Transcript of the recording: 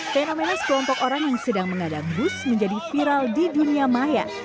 fenomena sekelompok orang yang sedang mengadang bus menjadi viral di dunia maya